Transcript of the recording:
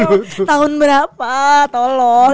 iya kalo tahun berapa tolong